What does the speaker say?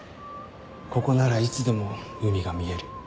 ここならいつでも海が見える。